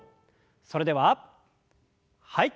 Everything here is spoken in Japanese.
それでははい。